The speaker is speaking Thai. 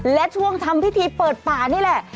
และช่วงทำพิธีเปิดป่านี่แหละ